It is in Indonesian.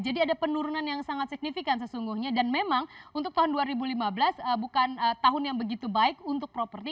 jadi ada penurunan yang sangat signifikan sesungguhnya dan memang untuk tahun dua ribu lima belas bukan tahun yang begitu baik untuk properti